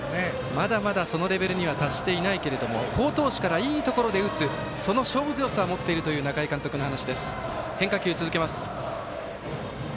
まだまだ、そのレベルには達していないけれども好投手からいいところで打つその勝負強さを持っているという仲井監督の話。